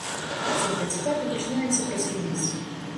З гэтай цытаты пачынаецца прэс-рэліз.